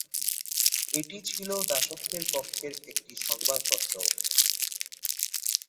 এটি ছিল দাসত্বের পক্ষের একটি সংবাদপত্র।